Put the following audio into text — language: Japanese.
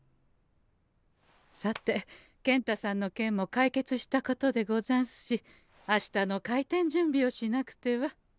さて健太さんの件も解決したことでござんすしあしたの開店準備をしなくては。